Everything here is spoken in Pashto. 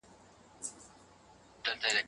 هغه وويل چي مطالعه د ذهن دروازې پرانيزي.